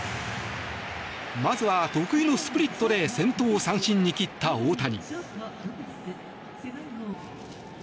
まずは得意のスプリットで先頭を三振に切った大谷。